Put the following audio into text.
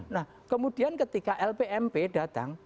nah kemudian ketika lpmp datang